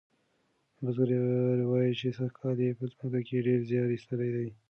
بزګر وایي چې سږکال یې په مځکه کې ډیر زیار ایستلی دی.